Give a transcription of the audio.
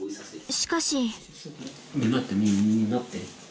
しかし。